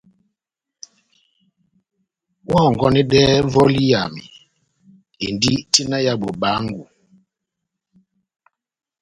Oháhɔngɔnedɛhɛ vɔli yami endi tina ya bobaángo.